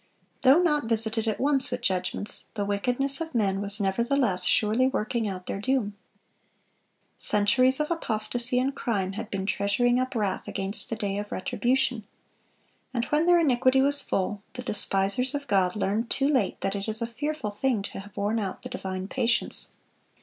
Though not visited at once with judgments, the wickedness of men was nevertheless surely working out their doom. Centuries of apostasy and crime had been treasuring up wrath against the day of retribution; and when their iniquity was full, the despisers of God learned too late that it is a fearful thing to have worn out the divine patience.